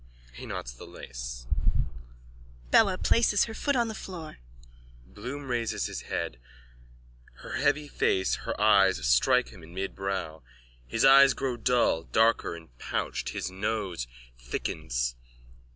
_(He knots the lace. Bella places her foot on the floor. Bloom raises his head. Her heavy face, her eyes strike him in midbrow. His eyes grow dull, darker and pouched, his nose thickens.)